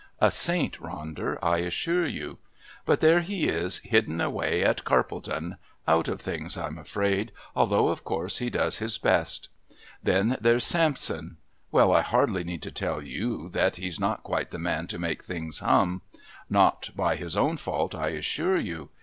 A saint, Ronder, I assure you. But there he is, hidden away at Carpledon out of things, I'm afraid, although of course he does his best. Then there's Sampson. Well, I hardly need to tell you that he's not quite the man to make things hum. Not by his own fault I assure you.